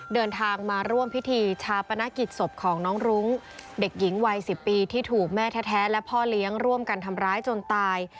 เดินทางมาร่วมพิธีชาปนกิจศพของน้องรุ้งเด็กหญิงวัย๑๐ปีที่ถูกแม่แท้และพ่อเลี้ยงร่วมกันทำร้ายจนตาย